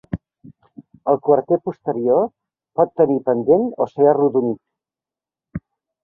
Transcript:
El quarter posterior pot tenir pendent o ser arrodonit.